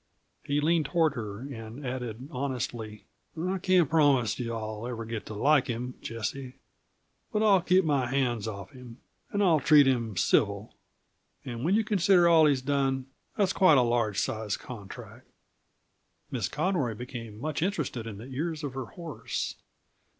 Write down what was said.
He leaned toward her and added honestly: "I can't promise you I'll ever get to like him, Jessie; but I'll keep my hands off him, and I'll treat him civil; and when you consider all he's done, that's quite a large sized contract." Miss Conroy became much interested in the ears of her horse.